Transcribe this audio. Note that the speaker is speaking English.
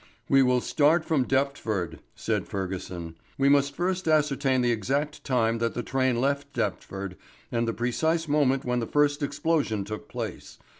"We will start from Deptford," said Fergusson. "We must first ascertain the exact time that the train left Deptford, and the precise moment when the first explosion took place.